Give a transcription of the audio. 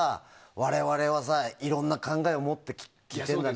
我々はいろんな考えを持って聴いているんだね。